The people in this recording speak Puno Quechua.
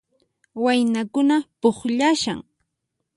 Waynakuna pukllashan